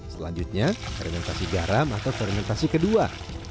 selanjutnya fermentasi garam atau fermentasi kedua